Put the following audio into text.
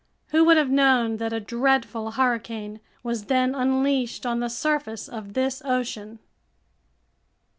Who would have known that a dreadful hurricane was then unleashed on the surface of this ocean?